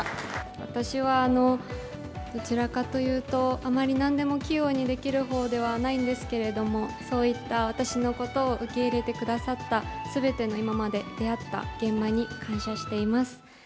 私はどちらかというと、あまりなんでも器用にできるほうではないんですけれども、そういった私のことを受け入れてくださった、すべての今まで出会った現場に感謝しています。